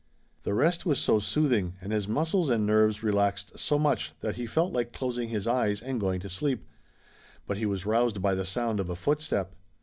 The rest was so soothing, and his muscles and nerves relaxed so much that he felt like closing his eyes and going to sleep, but he was roused by the sound of a footstep.